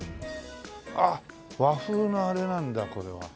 あっ和風なあれなんだこれは。